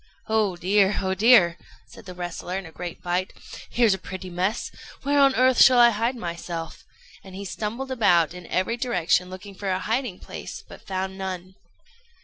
"Oh dear! oh dear!" said the wrestler, in a great fright; "here's a pretty mess! Where on earth shall I hide myself?" and he stumbled about in every direction looking for a hiding place, but found none.